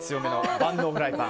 万能フライパン。